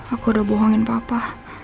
aku udah bohongin papa